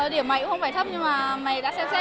điểm mày cũng không phải thấp nhưng mà mày đã xem xét